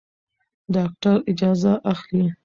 ډاکټر اجازه اخلي.